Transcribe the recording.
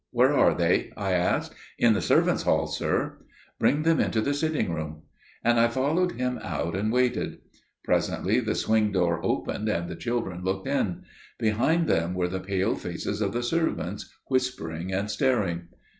"Where are they?" I asked. "In the servants' hall, sir." "Bring them into the sitting room." And I followed him out and waited. Presently the swing door opened and the children looked in. Behind them were the pale faces of the servants, whispering and staring.